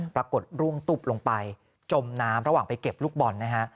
ปรากฏร่วงตุ๊บลงไปจมน้ำระหว่างไปเก็บลูกบอลนะฮะ